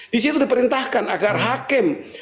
di situ diperintahkan agar hakim